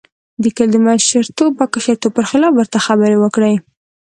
د کلي د مشرتوب او کشرتوب پر خلاف ورته خبرې وکړې.